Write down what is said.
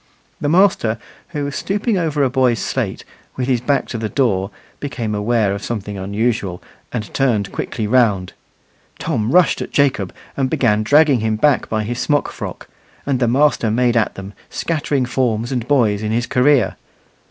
The master, who was stooping over a boy's slate, with his back to the door, became aware of something unusual, and turned quickly round. Tom rushed at Jacob, and began dragging him back by his smock frock, and the master made at them, scattering forms and boys in his career.